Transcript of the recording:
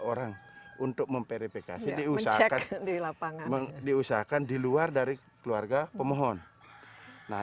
orang untuk memverifikasi diusahakan di lapangan diusahakan di luar dari keluarga pemohon nah